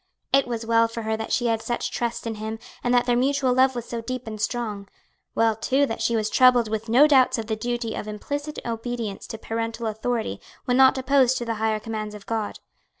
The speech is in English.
It was well for her that she had such trust in him and that their mutual love was so deep and strong; well too that she was troubled with no doubts of the duty of implicit obedience to parental authority when not opposed to the higher commands of God.